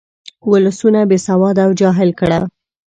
ولسونه بې سواده او جاهل کړه.